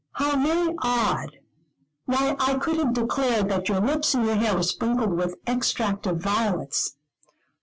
"How very odd! Why, I could have declared that your lips and your hair were sprinkled with extract of violets."